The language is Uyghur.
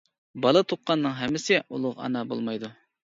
بالا تۇغقاننىڭ ھەممىسى ئۇلۇغ ئانا بولمايدۇ.